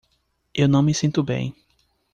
Eu não me sinto bem.